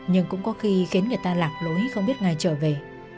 nhưng cũng có khi khiến người ta lạc lối không biết ngay trở về